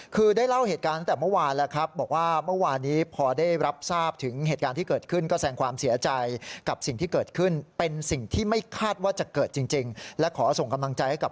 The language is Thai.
คือได้เล่าเกี่ยวกับเหตุการณ์แต่เมื่อวานล่ะครับ